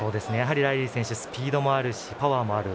ライリー選手はスピードもあるし、パワーもある。